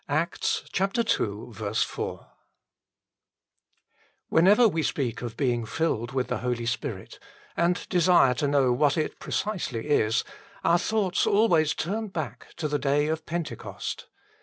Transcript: ACTS ii. 4. 1ITHENEVER we speak of being filled with the Holy Spirit, and desire to know what it precisely is, our thoughts always turn back to the clay of Pentecost.